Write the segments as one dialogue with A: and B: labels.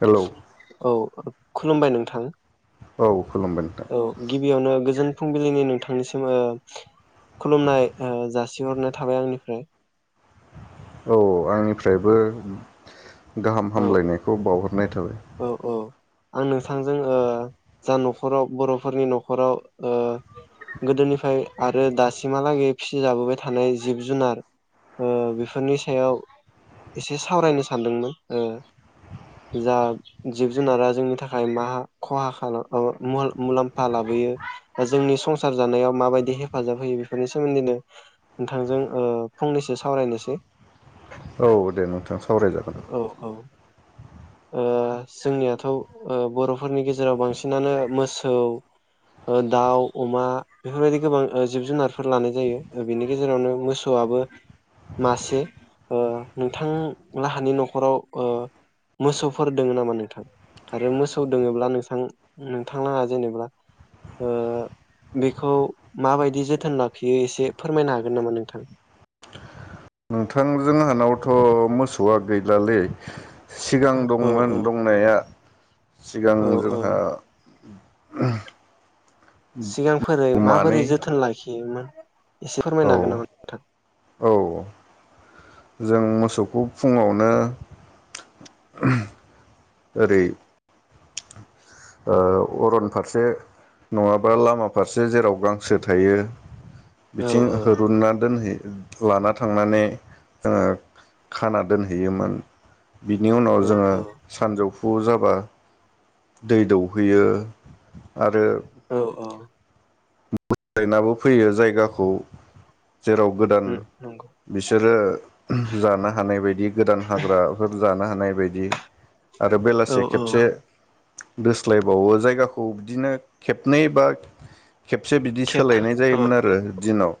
A: Hello
B: औ। खुलुमबाय नोंथां।
A: औ। खुलुमबाय नोंथां
B: औ गिबियावनो गोजोन फुंबिलिनि नोंथांनिसिम ओ खुलुमनाय ओ जासिहरनाय थाबाय आंनिफ्राय।
A: औ आंनिफ्रायबो गाहाम
B: औ
A: हामलायनायखौ बावहर नाय थाबाय ।
B: औ औ आं नोंथांजों ओ जा न'खराव बर'फोरनि न'खराव ओ गोदोनिफ्राय आरो दासिमहालागै फिसिजाबोबाय थानाय जिब जुनार ओ बेफोरनि सायाव एसे सावरायनो सानदोंमोन ओ जा जिब जुनारा जोंनि थाखाय मा खहा खालाम औ मु-मुलाम्फा लाबोयो जोंनि संसार जानायाव माबायदि हेफाजाब होयो बेफोरनि सोमोन्दैनो नोंथांजों ओ फंनैसो सावरायनोसै।
A: औ दे नोंथां। सावरायजागोन
B: औ औ। ओ जोंनियाथ' ओ बर'फोरनि गेजेराव बांसिनानो मोसौ ओ दाउ अमा बेफोरबायदि गोबां ओ जिब जुनारफोर लानाय जायो बेनि गेजेरावनो मोसौआबो मासे ओ नोंथां लाहानि न'खराव ओ मोसौफोर दोङो नामा नोंथां आरो मोसौ दोङोब्ला नोंसां नोंथांआ जेनेबा ओ बेखौ माबायदि जोथोन लाखियो एसे फोरमायनो हागोन नामा नोंथां?
A: नोंथां जोंहानावथ' मोसौआ गैलालै। सिगां
B: औ
A: दंमोन
B: औ
A: दंनाया सिगां
B: औ औ
A: जोंहा [unintelligible]
B: सिगां फोरै माबोरै
A: मानै
B: जोथोन लाखियोमोन? एसे
A: औ
B: फोरमायनो हागोन नामा नोंथां?
A: औ जों मोसौखौ फुङावनो ओरै ओ अरन फारसे नङाबा लामा फारसे जेराव गांसो थायो
B: औ
A: बिथिं
B: औ
A: होरुनना दोनहैयो लाना थांनानै जोङो खाना दोनहैयोमोन। बिनि उनाव
B: औ
A: जोङो सानजौफु फु जाबा दै दौहैयो आरो
B: औ औ
A: बोस्लायनाबो फैयो जायगाखौ जेराव गोदान
B: औ नंगौ
A: बिसोरो जानो हानाय बायदि गोदान हाग्राफोर जानो हानाय बेबायदि आरो
B: औ
A: बेलासे
B: औ
A: खेबसे दोस्लायबावो जायगाखौ बिदिनो खेबनै बा खे से बिदि
B: खेबथा
A: सोलायनाय
B: औ
A: जायोमोन आरो दिनाव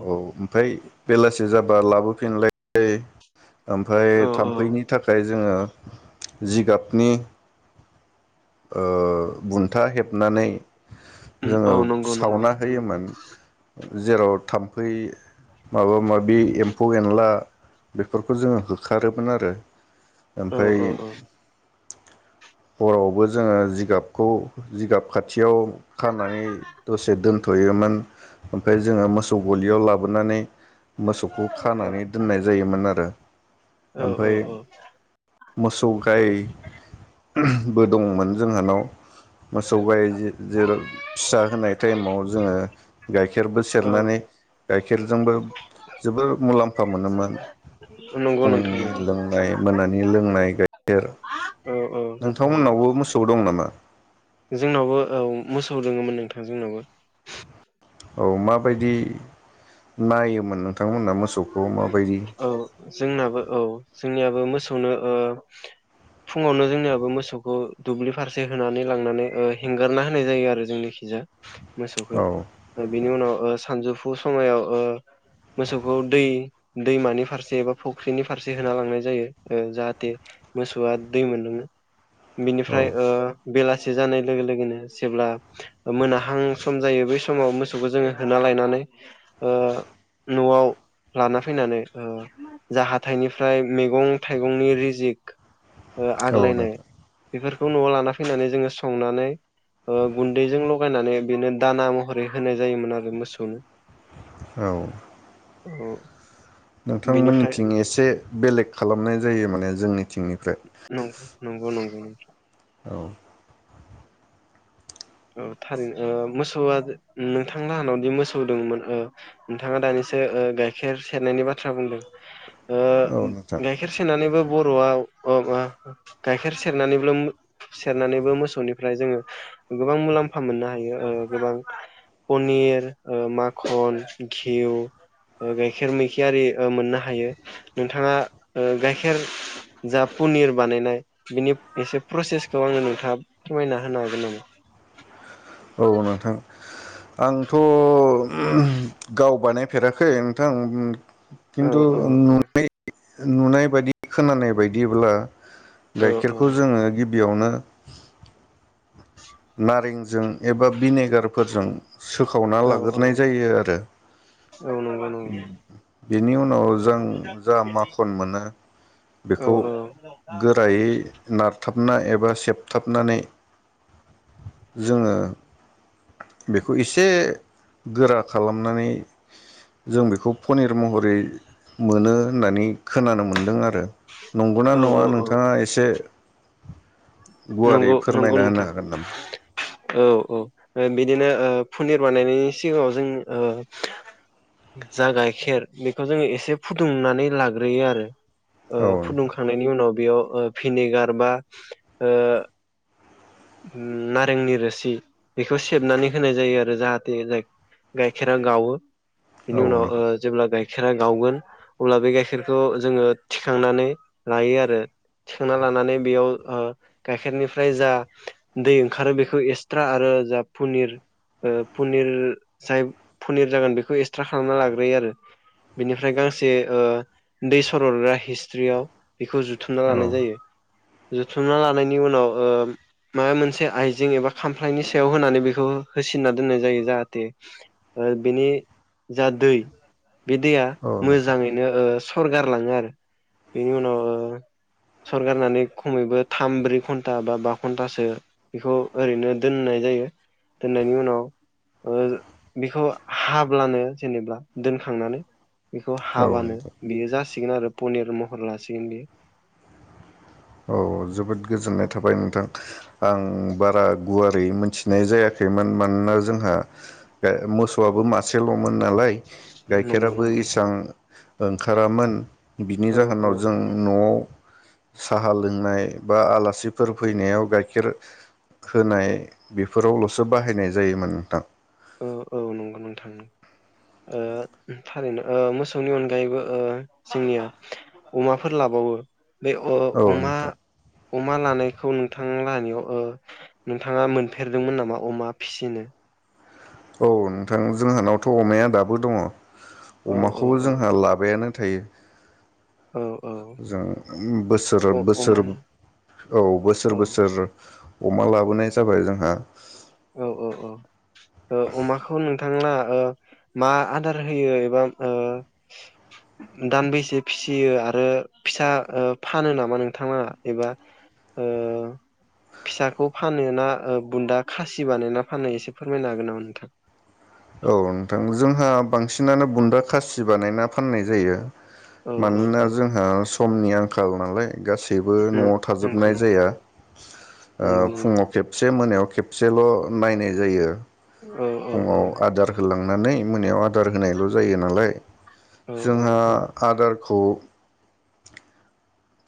A: औ ओमफ्राय बेलासि जाबा लाबोफिनलाय ओमफ्राय
B: औ औ
A: थाम्फैनि थाखाय जोंङो जिगाबनि ओ बुन्था हेबनानै जोंङो
B: औ नंगौ नंगौ
A: सावना होयोमोन जेराव थाम्फै माबा माबि एम्फौ एनला बेफोरखौ जोंङो होखारोमोन आरो
B: औ
A: ओमफ्राय
B: औ औ
A: हरावबो जोंङो जिगाबखौ जिगाब खाथियाव खानानै दसे दोन थ'योमोन ओमफ्राय जोंङो मोसौ गलियाव लाबोनानै मोसौखौ
B: औ
A: खानानै दोननाय जायोमोन आरो
B: औ
A: ओमफाय
B: औ औ
A: मोसौ गाय बो दंमोन जोंहानाव मोसौ गाइ जि जेराव फिसा होनाय टाइमाव जोंङो गाइखेरबो सेरनानै गाइखेरजोंबो जोबोर मुलाम म्फा मोनोमोन
B: नंगौ नोंथां
A: फुंनि
B: नंगौ
A: लोंनाय मोनानि लोंनाय गाय खेर
B: ओ ओ
A: दं नामा
B: जोंनावबो औ मोसौ दंङोमोन नों थां जोंनावबो
A: औ माबायदि नायो
B: औ जोंनाबो औ जोंनियाबो ओ मोसौनो ओ फुङावनो जोंनियाबो मोसौखौ दुब्लि फारसे होनानै लांनानै ओ हेंगारना होनाय जायो आरो जोंनिखिजा मोसौखौ
A: औ
B: बिनि उनाव ओ सानजौफु फु समायाव ओ मोसौखौ दै दैमानि फारसे एबा फुख्रिनि फारसे होना लांनाय जायो ओ जाहाथे मोसौआ दै मोनदोङो।
A: औ
B: बिनिफ्राय ओ बेलासि जानाय लोगो लोगोनो जेब्ला मोनाहां सम जायो बै समाव मोसौखौ जोङो होना लायनानै ओ न'आव लाना फैनानै ओ जा हाथाइनिफ्राय मैगं थाइगंनि रिजिक ओ
A: औ
B: आग्लायनाय
A: नोंथां
B: बेफोरखौ न'आव लाना फैनानै जोङो संनानै ओ गुन्दैजों लगायनानै बेनो दाना महरै होनाय जायोमोन आरो मोसौनो।
A: औ
B: उम
A: नोंथांमोननिथिं एसे बेलेग खालामनाय जायो माने जोंनिथिंनिफ्राय।
B: नंगौ नंगौ [inaudible]
A: औ
B: ओ थारै ओ मोसौआ उम नोंथां हानावदि मोसौ दंमोन ओ नोंथाङा दानिसे ओ गाइखेर सेरनायनि बाथ्रा बुंदों ओ
A: औ नोंथां
B: गाइखेर सेरनानैबो बर'आव औ माबा गाइखेर सेरनानैब्लो सेरनानैबो मोसौनिफ्राय जोङो गोबां मुलाम्फा मोननो हायो ओ गोबां पनिर ओ माखन, घिउ, गाइखेर मैखेर आरि मोननो हायो नोंथाङा ओ गायखेर जा पनिर बानायनाय बिनि एसे प्रसेसखौ आङो नोंथाङा फोरमायना होनो हागोन नामा?
A: औ नोंथां आंथ' गाव बानायफेराखै नोंथां
B: औ
A: खिन्थु
B: औ ओ।
A: नुनाय बायदि खोनानाय बायदिब्ला
B: औ
A: गाइखेरखौ जोङो गिबियावनो नारेंजों एबा भिनेगारफोरजों सोखावना लाग्रोनाय जायो आरो उम। बेनि उन नाव जों जा माखन मोनो बेखौ गोरायै नार थाबना एबा सेबथाबनानै जोङो बेखौ एसे गोरा खालामनानै जों बेखौ पनिर महरै मोनो होननानै खोनानो मोनदों आर रो नंगौना
B: औ नंगौ औ
A: नङा
B: औ औ
A: नोंथाङा एसे गुवारै
B: नंगौ नंगौ
A: फोरमायना
B: नोंथां
A: होनो
B: औ। औ ओ बिदिनो ओ पनिर बानायनायनि सिगाङाव जों ओ जा गाइखेर बेखौ जोङो एसे फुदुंनानै लाग्रोयो आरो ओ
A: हागोन नामा
B: फुदुंखांनायनि उनाव बेयाव ओ भिनेगार बा ओ नारेंनि रोसि बेखौ सेबनानै होनाय जायो आरो जाहाथे गाइखेरा गावो
A: औ नोंथां औ
B: बिनि उनाव ओ
A: नोंथां
B: जेब्ला गाय खेरा गावगोन अब्ला बे गाइखेरखौ जोङो थिखांनानै लायो आरो थिखांना लानानै बेयाव ओ गाइखेरनिफ्राय जा दै ओंखारो बेखौ एसट्रा आरो जा पनिर ओ पनिर जाय पनिर जागोन बेखौ एक्सट्रा खालामना लाग्रोयो आरो बेनिफ्राय गांसै ओ दै सररग्रा हिस्रियाव बेखौ जुथुमना
A: औ
B: लानाय जायो। जुथुमना लानायनि उनाव ओ माबा मोनसे आइजें एबा खामफ्लायनि सायाव होनानै बेखौ होसिनना दोननाय जायो जाहाथे ओ बेनि जा दै बे दैया
A: औ नोंथां
B: मोजाङैनो ओ सरगारलाङो आरो बेनि उनाव ओ सरगारनानै खमैबो थाम ब्रै घन्टा बा बा घन्टासो बेखौ ओरैनो दोननाय जायो दोननायनि उनाव ओ बेखौ हाब्लानो जेनेबा दोनखांनानै बेखौ
A: औ
B: हाबानो
A: नोंथां
B: बेयो जासिगोन आरो पनिर महर लासिगोन बे
A: औ जोबोद गोजोननाय थाबाय नोंथां आं बारा गुवार दै मोनथिनाय जायाखैमोन मान मानोना जोंहा ए मोसौआबो मासेलमोन नालाय।
B: नंगौ
A: गाइखेराबो
B: नंगौ
A: इसां ओंखारामोन। बिनि
B: औ औ
A: जाहोनाव जों
B: औ
A: न'आव साहा लोंनाय बा आलासिफोर फैनायाव गाइखेर होनाय बेफोरावलसो बाहायनाय जायोमोन नोंथां
B: औ औ नंगौ नोंथां ओ थारैनो ओ मोसौनि अनगायैबो ओ जोंनिया अमाफोर लाबावो। बे अ
A: औ
B: अमा
A: नोंथां
B: अमा लानायखौ नोंथां लानियाव ओ नोंथाङा मोनफेरदोंमोन नामा अमा फिसिनो।
A: औ नोंथां जोंहानावथ अमाया दाबो दङ।
B: औ औ
A: अमाखौबो
B: औ
A: जोंहा लाबायानो। थायो।
B: औ औ
A: जों बोसोर
B: अ
A: बोसोर
B: अमानि
A: औ
B: औ
A: बोसोर बोसोर अमा लाबोनाय जाबाय जोंहा।
B: औ औ औ ओ अमाखौ नों नोंथांना ओ मा आदार होयो एबा ओ दानबेसे फिसियो आरो फिसा ओ फानो नामा नोंथांलाङा एबा ओ फिसाखौ फानो ना ओ बुन्दा खासि बानायना फाननो इसे फोरमायनो हागोन नामा नोंथां?
A: औ नोंथां जोंहा बांसिनानो बुन्दा खासि बानायना फाननाय जायो।
B: औ औ
A: मानोना
B: औ
A: जोंहा सु समनि आंखाल नालाय गासैबो नआव
B: नं नंगौ
A: थाजोबनाय
B: नंगौ
A: जाया ओ
B: नंगौ नंगौ
A: फुङाव खेबसे मोनायाव खेबसेल नायनाय जायो।
B: औ औ औ।
A: लांनानै मोनायाव आदार होनायल जायो नालाय।
B: औ
A: जोंहा
B: औ औ
A: आदार खौ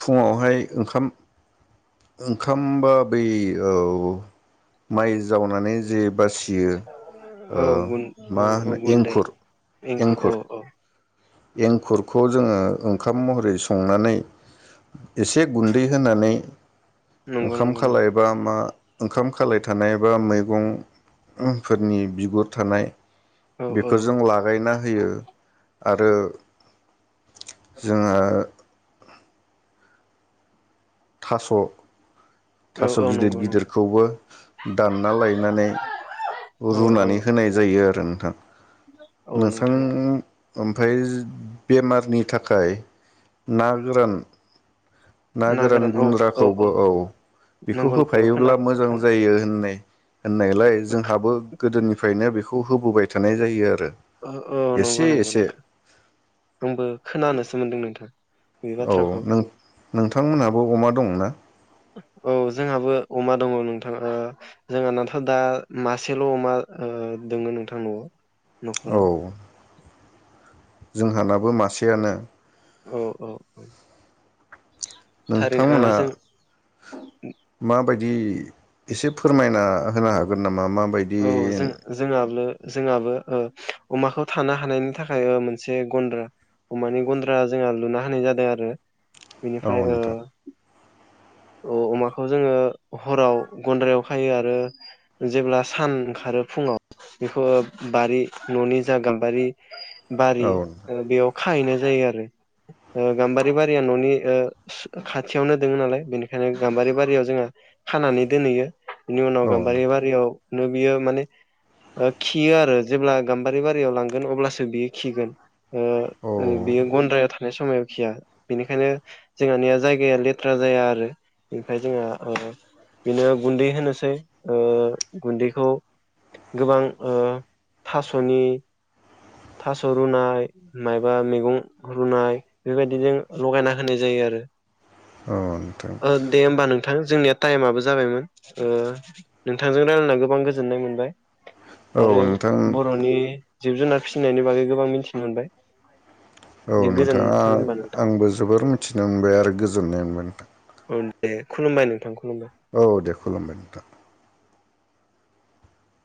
A: फुङावहाय ओंखाम ओंखामबा बै औ माइ जावनानै जे बासियो।
B: औ
A: ओ
B: गुन औ
A: मा
B: औ
A: होनो
B: गुन्दै
A: एंखुर
B: औ
A: एंखुर।
B: औ
A: एंखुरखौ जोङो ओंखाम महरै संनानै एसे गुन्दै होनानै
B: नंगौ
A: ओंखाम
B: नंगौ नंगौ
A: खालायबा मा ओंखाम खालाय थानाय बा मैगंफोरनि बिगुर थानाय
B: औ औ
A: बेफोरजों लागायना होयो। आरो जोङो थास
B: औ
A: थास
B: औ
A: गिदिर
B: नंगौ नंगौ
A: गिदिरखौबो दानना लायनानै
B: औ औ
A: रुनानै होनाय जायो आरो ना नोंथां।
B: औ औ
A: नोंथाङा
B: नोंथां
A: ओमफ्राय बेमारनि थाखाय ना गोरान ना गोरान गुन्द्राखौबो औ बेखौ
B: नंगौ नंगौ खोना
A: होफायोब्ला मोजां
B: खोना
A: जायो होननाय होननायलाय
B: औ
A: जोंहाबो गोदोनिफ्रायनो बेखौ बेखौ होबोबाय थानाय जायो आरो।
B: औ नंगौ
A: एसे
B: नंगौ
A: एसे
B: नोंथां आंबो खोनानोसो मोनदों नोंथां। बे
A: औ
B: बाथ्राखौ
A: नों नोंथांमोनहाबो अमा दं ना?
B: औ जोंहाबो अमा दङ नोंथां ओ जोंहा नाथ दा मासेल अमा दङो नोंथां नआव।
A: औ।
B: न'खराव
A: जोंहानाबो मासेयानो।
B: औ औ औ।
A: नोंथांमोना माबायदि बिदि एसे फोरमायना होनो हागोन नामा? मा मा बायदि
B: औ जों जोंहाबो जोंहाबो ओ अमाखौ थानो हानायनि थाखाय मोनसे गन्द्रा अमानि गन्द्रा जोंहा लुना होनाय जादों आरो।
A: औ
B: बेनिफ्राय ओ
A: नोंथां
B: ओ अमाखौ जोङो हराव गन्द्रायाव खायो आरो जेब्ला सान ओंखारो फुङाव बेखौ बारि न'नि जा गाम्बारि बारि
A: औ
B: ओ बेयाव खाहैनाय जायो आरो ओ गाम्बारि बारिया न'नि ओ खाथियावनो दोङो नालाय बेनो बेखायनो गाम्बारि बारियाव जोंहा खानानै दोनहैयो । बेनि उनाव
A: औ
B: गाम्बारि
A: नोंथां
B: बारियाव बियो माने खियो आरो जेब्ला गाम्बारि बारियाव लांगोन अब्लासो बियो खिगोन ओ
A: औ
B: बेयो गन्द्रायाव थानाय समाव खिया बेनिखायनो जोंहानिया जायगाया लेथ्रा जाया आरो । ओमफाय जोंहा ओ बेनो गुन्दै होनोसै ओ गुन्दैखौ गोबां ओ थास'नि थास' रुनाय मायबा मैगं रुनाय बेबायदिजों लगायना होनाय जायो आरो ।
A: औ नोंथां
B: थां जोंनिया टाइमाबो जाबायमोन ओ नोंथांजों रायलायना गोबां गोजोननाय मोनबाय
A: औ
B: । आरो
A: नोंथां
B: बर'नि जिब जुनार फिसिनायनि बागै गोबां मिथिनो मोनबाय ।
A: औ नोंथां आ-आंबो जोबोर मि थिनो मोनबाय आरो गोजोननाय मोनबाय नोंथां
B: ओम दे खुलुमबाय नोंथांखौ
A: औ दे खुलुमबाय नोंथां